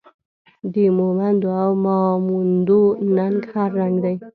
د مومندو او ماموندو ننګ هر رنګ دی